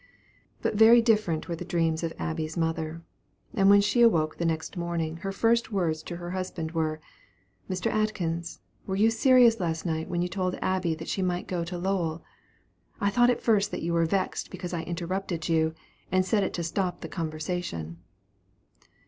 But very different were the dreams of Abby's mother; and when she awoke the next morning, her first words to her husband were, "Mr. Atkins, were you serious last night when you told Abby that she might go to Lowell? I thought at first that you were vexed because I interrupted you, and said it to stop the conversation."